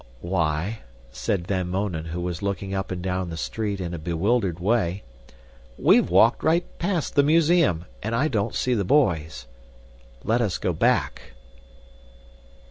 "Why," said Van Mounen, who was looking up and down the street in a bewildered way. "We've walked right past the museum, and I don't see the boys. Let us go back."